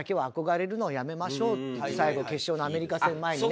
最後決勝のアメリカ戦前にね。